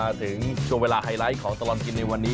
ถึงช่วงเวลาไฮไลท์ของตลอดกินในวันนี้